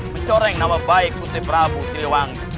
mencoreng nama baik putri prabu siliwangi